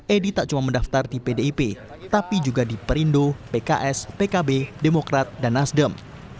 edi tak cuma mendaftar di pdip tapi juga di perindo pks pkb demokrat dan nasdem